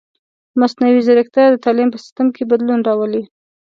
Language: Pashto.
مصنوعي ځیرکتیا د تعلیم په سیستم کې بدلون راولي.